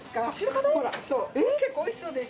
結構、おいしそうでしょ。